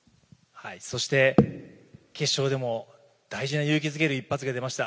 そして、決勝でも大事な勇気づける一発が出ました。